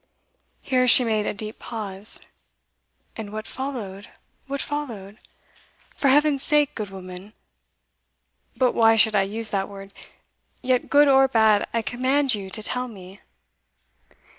'" Here she made a deep pause. "And what followed? what followed? For Heaven's sake, good woman But why should I use that word? Yet, good or bad, I command you to tell me."